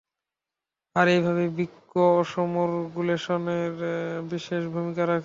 আর এভাবেই বৃক্ক অসমোরেগুলেশনে বিশেষ ভূমিকা রাখে।